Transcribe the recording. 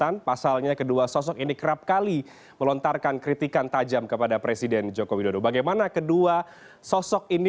ada bang fahri hamzah politisi partai gelora indonesia